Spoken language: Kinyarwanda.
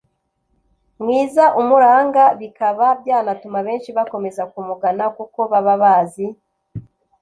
mwiza umuranga. bikaba byanatuma benshi bakomeza kumugana kuko baba bazi